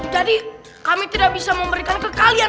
jadi kami tidak bisa memberikan ke kalian